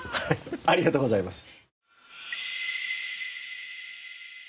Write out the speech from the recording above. ありがとうございます。